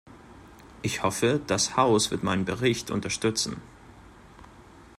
Ich hoffe, das Haus wird meinen Bericht unterstützen.